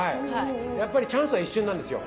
やっぱりチャンスは一瞬なんですよ。